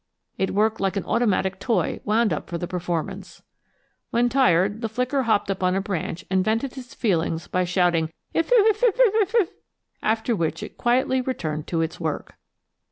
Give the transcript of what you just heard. It worked like an automatic toy wound up for the performance. When tired, the flicker hopped up on a branch and vented its feelings by shouting if if if if if if if, after which it quietly returned to work.